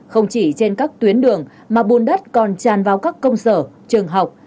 không chỉ trên các tuyến đường mà bùn đất còn tràn vào các công sở trường học